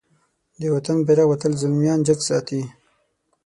د وطن بېرغ به تل زلميان جګ ساتی.